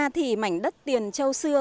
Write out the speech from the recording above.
thì mảnh đất tiền châu xưa